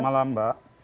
selamat malam mbak